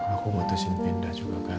aku memutuskan pindah juga karena